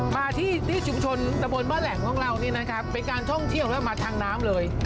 มาที่ชุมชนตะบนบ้านแหล่งของเรานี่นะครับเป็นการท่องเที่ยวแล้วมาทางน้ำเลย